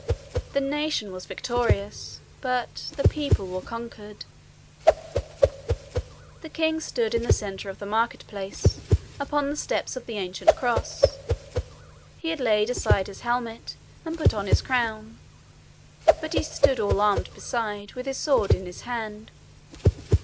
The nation was victorious, but the people were conquered. The king stood in the centre of the market place, upon the steps of the ancient cross. He had laid aside his helmet and put on his crown, but he stood all armed beside, with his sword in his hand.